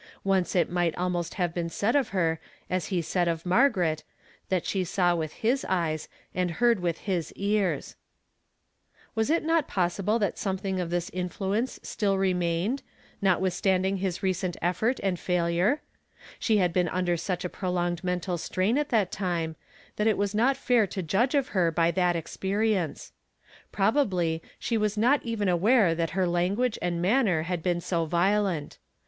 Once it might almost ha\e been said of her as he had said of Margaret, that she saw Avith his ey(\^ and heard with his ears. Was it not possible that something of this inflib TT^ — T* 1' j. '.,,. :i !■'■■' ,.4f ', 176 YESTERDAY FRAMED IN TO DAY. ence still remained, notwithstanding his recent effort and failure? She liad heen under such a prolonged mental strain at that time, that it was not fair to judge of her by that experience. Probably she was not even aware that her lan guage and manner had been so violent.